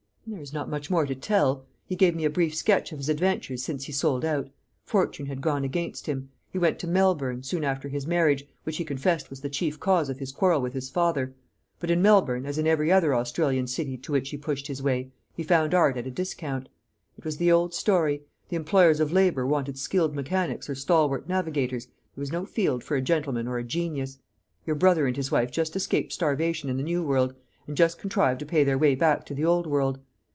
"There is not much more to tell. He gave me a brief sketch of his adventures since he sold out. Fortune had gone against him. He went to Melbourne, soon after his marriage, which he confessed was the chief cause of his quarrel with his father; but in Melbourne, as in every other Australian city to which he pushed his way, he found art at a discount. It was the old story: the employers of labour wanted skilled mechanics or stalwart navigators; there was no field for a gentleman or a genius. Your brother and his wife just escaped starvation in the new world, and just contrived to pay their way back to the old world.